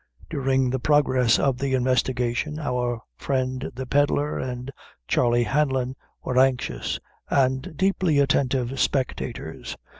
During the progress of the investigation, our friend the pedlar and Charley Hanlon were anxious and deeply attentive spectators.